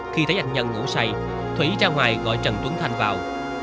khi thấy anh nhân ngủ say thủy ra ngoài gọi trần tuấn thành vào